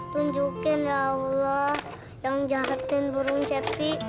tunjukin ya allah jangan jahatin burung cepi